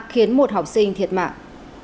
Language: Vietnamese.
khiến một học sinh thiệt mạng